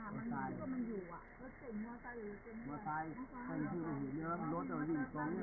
โปรดติดตามตอนต่อไป